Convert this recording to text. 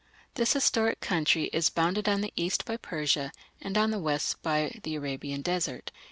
This historic country is bounded on the east by Persia and on the west by the Arabian desert.